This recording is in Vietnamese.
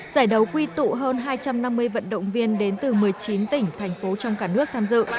giải đấu quy tụ hơn hai trăm năm mươi vận động viên đến từ một mươi chín tỉnh thành phố trong cả nước tham dự